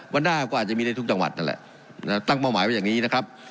วันหน้าก็อาจจะมีในทุกจังหวัดนั่นแหละตั้งเป้าหมายไว้อย่างนี้นะครับ